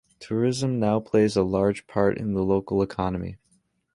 Tourism now plays a large part in the local economy.